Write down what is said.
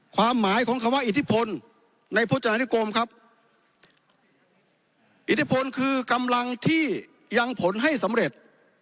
ความหมายของคำว่าอิทธิพลในโภจานิกรมครับอิทธิพลคือกำลังที่ยังผลให้สำเร็จ